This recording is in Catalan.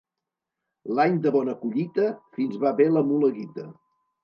L'any de bona collita fins va bé la mula guita.